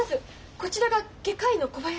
こちらが外科医の小林先生。